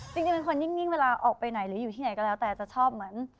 จริงเป็นคนนิ่งเวลาออกไปไหนหรืออยู่ที่ไหนก็แล้วแต่จะชอบเหมือน